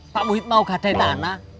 pak muhid mau gadai tanah